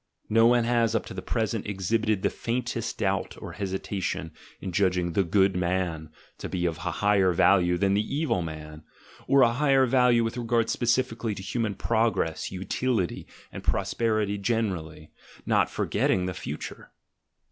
No one has, up to the present, exhibited the faintest doubt or hesitation in judging the "good man" to be of a higher value than the "evil man," of a higher PREFACE ix value with regard specifically to human progress, utility, and prosperity generally, not forgetting the future.